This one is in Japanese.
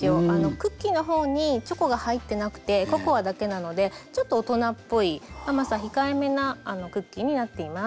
クッキーの方にチョコが入ってなくてココアだけなのでちょっと大人っぽい甘さ控えめなクッキーになっています。